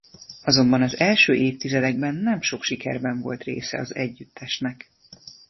Azonban az első évtizedekben nem sok sikerben volt része az együttesnek.